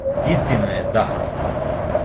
Истина је, да.